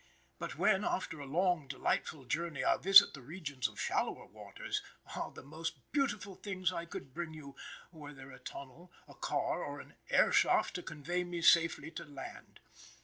But when, after a long, delightful journey, I visit the regions of shallower waters, ah, the beautiful things I could bring you, were there a tunnel, a car, or an air shaft to convey me safely to land!